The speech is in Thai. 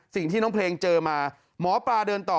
สิ่งที่น้องเพลงเจอมาหมอปลาเดินต่อ